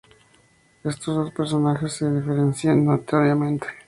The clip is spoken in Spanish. Estos dos personajes se diferencian notoriamente.